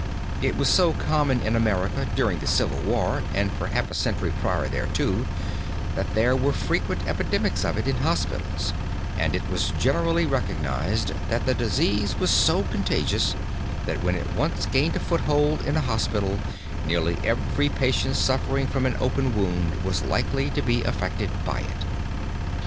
It was so common in America during the Civil War and for half a century prior thereto, that there were frequent epidemics of it in hospitals and it was generally recognized that the disease was so contagious that when it once gained a foothold in a hospital, nearly every patient suffering from an open wound was likely to be affected by it.